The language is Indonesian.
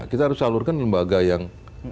kita harus salurkan lembaga yang